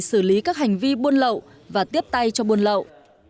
xử lý các hành vi buôn lậu và tiếp tay cho buôn lậu